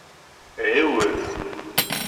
Ɛiwed!